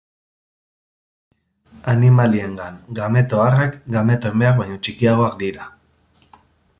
Animaliengan gameto arrak gameto emeak baino txikiagoak dira.